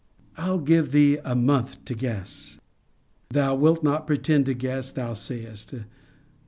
I'll give thee a month to guess. Thou wilt not pretend to guess, thou say'st.